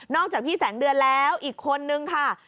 จากพี่แสงเดือนแล้วอีกคนนึงค่ะ